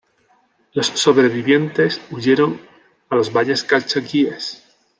Los sobrevivientes huyeron a los Valles Calchaquíes.